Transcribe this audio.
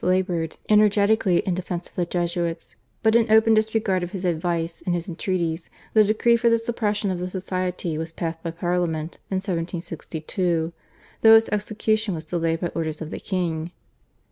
laboured energetically in defence of the Jesuits, but in open disregard of his advice and his entreaties, the decree for the suppression of the Society was passed by Parliament in 1762, though its execution was delayed by orders of the king.